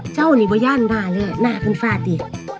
เจ้านี่ไม่อย่างหน้าแหละหน้าคืนฟาดดิ